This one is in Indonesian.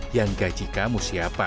yang gaji kamu siapa